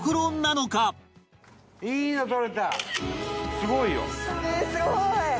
すごいよ。